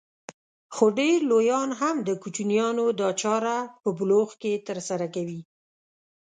خو ډېر لويان هم د کوچنيانو دا چاره په بلوغ کې ترسره کوي.